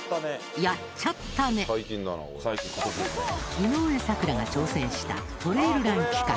井上咲楽が挑戦したトレイルラン企画。